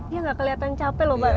iya enggak kelihatan capek loh pak